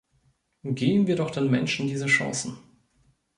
Geben wir doch den Menschen diese Chancen!